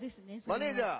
マネージャー！